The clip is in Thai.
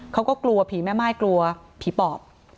เขาก็กลัวผีแม่ม่ายกลัวผีปอบ